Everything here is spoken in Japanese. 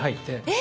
え⁉